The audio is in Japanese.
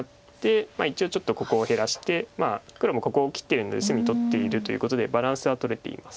一応ちょっとここを減らして黒もここを切ってるので隅取っているということでバランスはとれています。